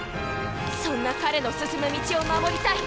そんな彼の進む道を守りたい！